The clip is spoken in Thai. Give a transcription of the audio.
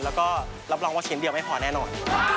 แล้วก็รับรองว่าชิ้นเดียวไม่พอแน่นอน